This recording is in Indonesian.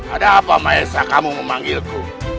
ada apa mahesa kamu memanggilku